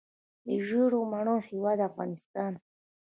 د ژیړو مڼو هیواد افغانستان.